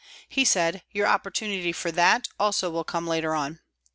He said, " Your opportunity for that also will come later on."